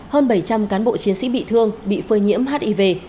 hơn bảy trăm linh cán bộ chiến sĩ bị thương bị phơi nhiễm hiv